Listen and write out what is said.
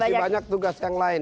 masih banyak tugas yang lain